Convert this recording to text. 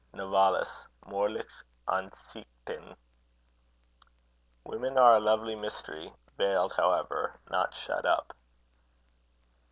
NOVALIS. Moralische Ansichten. Women are a lovely mystery veiled, however, not shut up.